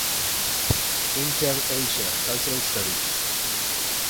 Inter-Asia cultural studies.